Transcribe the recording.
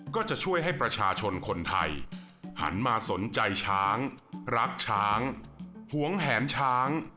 ก็จะช่วยให้ประชาชนคนไทยหันมาสนใจช้างรักช้างหวงแหนช้าง